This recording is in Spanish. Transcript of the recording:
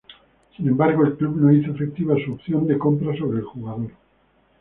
Sin embargo, el club no hizo efectiva su opción de compra sobre el jugador.